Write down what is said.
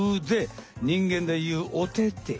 人間でいうおてて。